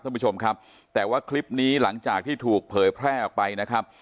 ท่านผู้ชมครับแต่ว่าคลิปนี้หลังจากที่ถูกเผยแพร่ออกไปนะครับ